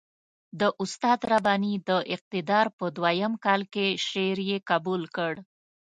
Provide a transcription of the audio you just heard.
د استاد رباني د اقتدار په دویم کال کې شعر یې قبول کړ.